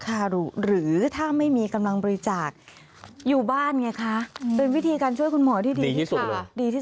คารุหรือถ้าไม่มีกำลังบริจาคอยู่บ้านไงคะเป็นวิธีการช่วยคุณหมอที่ดีที่สุดดีที่สุด